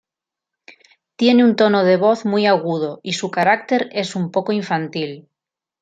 Tiene un tono de voz muy agudo y su carácter es un poco infantil.